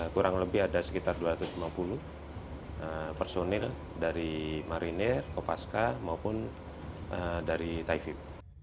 kurang lebih ada sekitar dua ratus lima puluh personil dari marinir kopaska maupun dari taifib